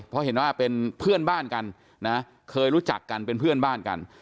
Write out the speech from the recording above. เพราะเห็นว่าเป็นเพื่อนบ้านกันนะเคยรู้จักกันเป็นเพื่อนบ้านกัน